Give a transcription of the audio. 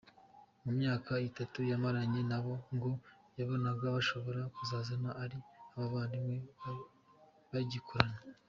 Mu myaka itatu yamaranye nabo ngo yabonaga bashobora kuzasaza ari nk’abavandimwe bagikorana.